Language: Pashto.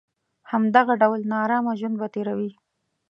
همدغه ډول نارامه ژوند به تېروي.